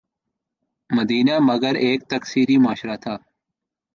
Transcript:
مدینہ مگر ایک تکثیری معاشرہ تھا۔